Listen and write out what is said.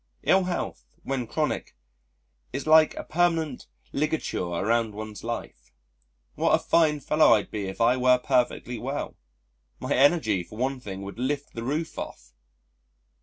Ill health, when chronic, is like a permanent ligature around one's life. What a fine fellow I'd be if I were perfectly well. My energy for one thing would lift the roof off....